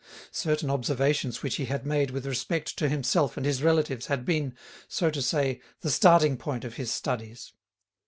Certain observations which he had made with respect to himself and his relatives had been, so to say, the starting point of his studies.